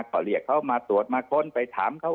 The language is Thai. เขาเรียกเขามาตรวจมากฎไปถามเขาค่ะ